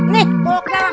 nih bolok ke dalam